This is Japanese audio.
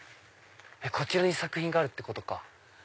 こちらに作品があるってことか。